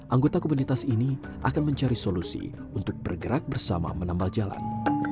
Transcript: anggota komunitas ini akan mencari solusi untuk bergerak bersama menambal jalan